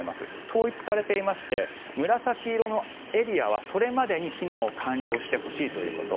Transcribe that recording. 統一されていまして紫色のエリアはそれまでに避難を完了してほしいということ。